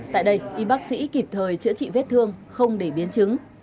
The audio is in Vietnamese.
tại đây y bác sĩ kịp thời chữa trị vết thương không để biến chứng